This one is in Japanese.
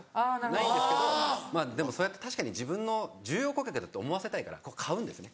ないんですけどでもそうやって確かに自分を重要顧客だって思わせたいから買うんですね。